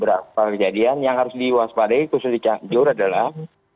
beberapa kejadian yang harus diwaspadai khusus di cianjur adalah